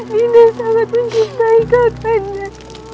dinda sangat mencintai kakanda